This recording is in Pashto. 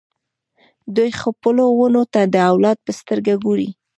دوی خپلو ونو ته د اولاد په سترګه ګوري.